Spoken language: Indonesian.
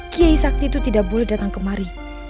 kiai sakti itu tidak boleh datang kemari